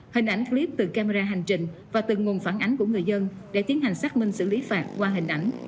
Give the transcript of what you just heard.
hình ảnh clip từ camera hành trình và từng nguồn phản ánh của người dân để tiến hành xác minh xử lý phạt qua hình ảnh